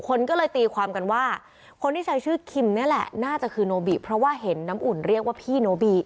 คนก็เลยตีความกันว่าคนที่ใช้ชื่อคิมนี่แหละน่าจะคือโนบิเพราะว่าเห็นน้ำอุ่นเรียกว่าพี่โนบิ